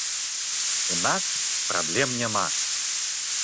У нас праблем няма.